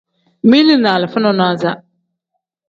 Mili ni alifa nonaza.